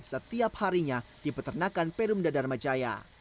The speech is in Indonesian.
setiap harinya di peternakan perumda dharmajaya